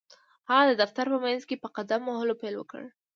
هغه د دفتر په منځ کې په قدم وهلو پيل وکړ.